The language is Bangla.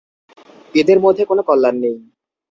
এদের মধ্যে কোন কল্যাণ নেই।